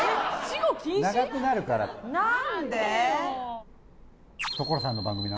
長くなるからああ